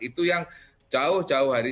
itu yang jauh jauh hari